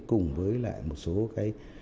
cùng với lại một số cái